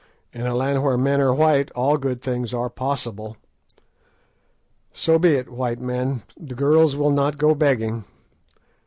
In a land where men are white all things are possible. So be it, white men; the girls will not go begging!